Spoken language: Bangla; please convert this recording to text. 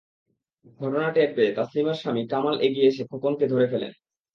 ঘটনা টের পেয়ে তাসলিমার স্বামী কামাল এগিয়ে এসে খোকনকে ধরে ফেলেন।